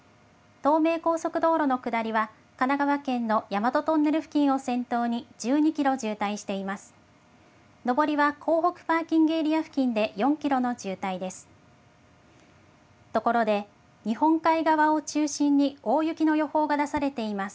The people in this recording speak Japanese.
東名高速道路の下りは、神奈川県の大和トンネル付近を先頭に１２キロ渋滞しています。